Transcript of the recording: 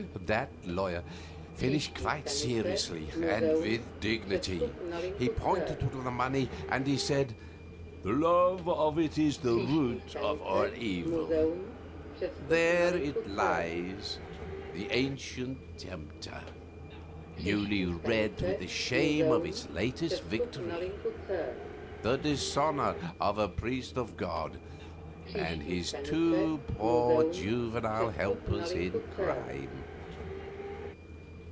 That lawyer finished quite seriously, and with dignity. He pointed to the money, and said: "The love of it is the root of all evil. There it lies, the ancient tempter, newly red with the shame of its latest victory the dishonor of a priest of God and his two poor juvenile helpers in crime.